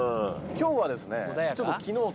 今日はですね